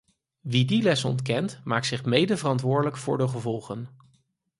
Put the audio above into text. Wie die les ontkent, maakt zich mede verantwoordelijk voor de gevolgen.